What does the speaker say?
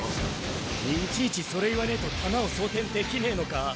いちいちそれ言わねえと弾を装填できねえのか？